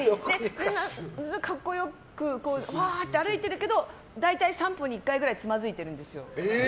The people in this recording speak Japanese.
格好良くパーって歩いてるけど大体３分に１回くらいつまずいてるんですよ。